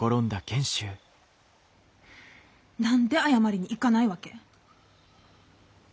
何で謝りに行かないわけ？